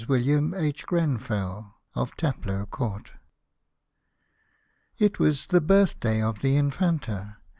WILLIAM H. GRENFELL, OF T A PLOW COURT. T was the birthday of the Infanta.